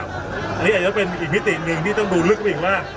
อันนี้อาจจะเป็นอีกมิติหนึ่งที่ต้องดูลึกเข้าไปอีกว่า